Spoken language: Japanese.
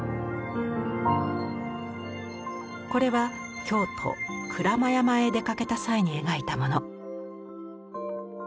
これは京都・鞍馬山へ出かけた際に描いたもの。